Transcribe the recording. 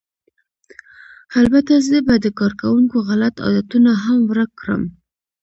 البته زه به د کارکوونکو غلط عادتونه هم ورک کړم